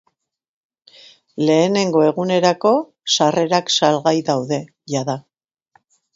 Lehenengo egunerako sarrerak salgai daude jada.